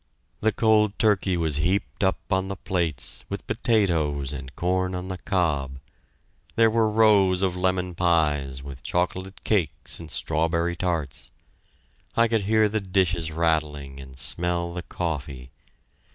The cold turkey was heaped up on the plates, with potatoes and corn on the cob; there were rows of lemon pies, with chocolate cakes and strawberry tarts. I could hear the dishes rattling and smell the coffee!